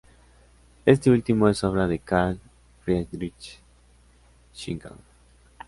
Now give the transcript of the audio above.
Este último, es obra de Karl Friedrich Schinkel.